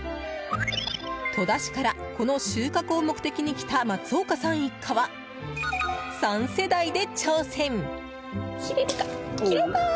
戸田市からこの収穫を目的に来た松岡さん一家は、３世代で挑戦。